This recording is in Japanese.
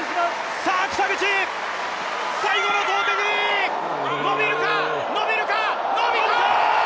さあ北口、最後の投てき、伸びるか、伸びるか？